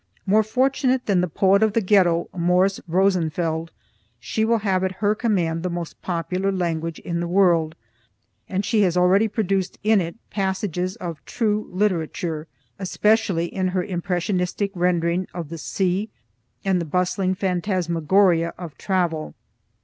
More fortunate than the poet of the Ghetto, Morris Rosenfeld, she will have at her command the most popular language in the world, and she has already produced in it passages of true literature, especially in her impressionistic rendering of the sea and the bustling phantasmagoria of travel.